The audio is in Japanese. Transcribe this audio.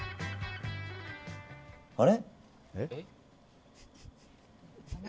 あれ？